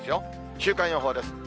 週間予報です。